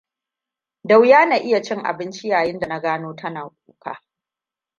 Da wuya na iya cin abinci yayin da na gano tana kuka.